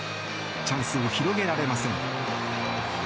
チャンスを広げられません。